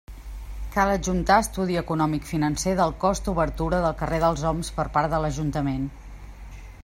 Cal adjuntar estudi econòmic financer del cost obertura del carrer dels Oms per part de l'ajuntament.